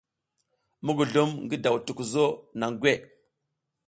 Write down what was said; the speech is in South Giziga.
Mugulum ngi daw tukuzo naŋ gwe.